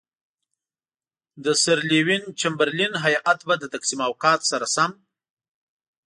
د سر لیوین چمبرلین هیات به د تقسیم اوقات سره سم.